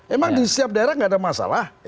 emang di setiap daerah nggak ada masalah